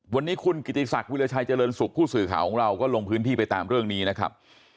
วันนี้คุณกิติศักดิราชัยเจริญสุขผู้สื่อข่าวของเราก็ลงพื้นที่ไปตามเรื่องนี้นะครับ